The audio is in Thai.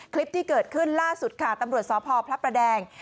คลิปที่เกิดขึ้นล่าสุดค่ะตำรวจสพพระประแดง